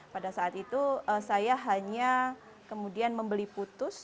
pada saat itu saya hanya kemudian membeli putus